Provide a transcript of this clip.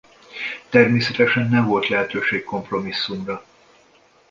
Természetesen nem volt lehetőség kompromisszumra.